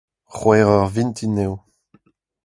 c'hwec'h eur vintin eo.